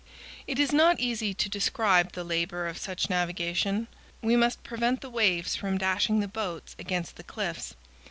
It is not easy to describe the labor of such navigation. We must prevent the waves from dashing the boats against the cliffs.